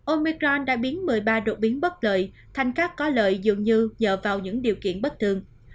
omecron đã biến một mươi ba đột biến bất lợi thành các có lợi dường như dựa vào những điều kiện bất thường